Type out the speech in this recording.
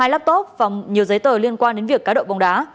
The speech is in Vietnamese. hai laptop và nhiều giấy tờ liên quan đến việc cá độ bóng đá